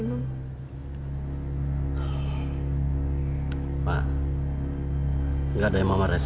tentang apa yang terjadi